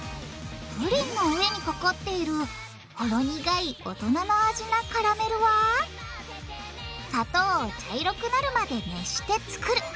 プリンの上にかかっているほろ苦い大人の味なカラメルは砂糖を茶色くなるまで熱してつくる。